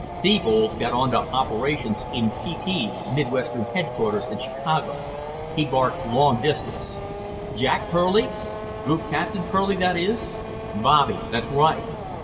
Thebold got onto Operations in PP's midwestern headquarters in Chicago. He barked, long distance: "Jack Perley? Group Captain Perley, that is? Bobby, that's right.